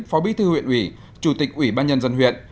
phó bí thư huyện ủy chủ tịch ủy ban nhân dân huyện